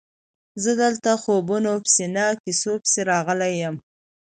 زه دلته خوبونو پسې نه کیسو پسې راغلی یم.